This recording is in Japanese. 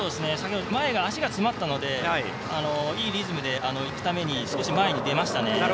前が足が詰まったのでいいリズムでいくために少し前に出ましたね。